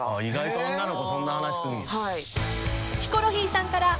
意外と女の子そんな話すんねや。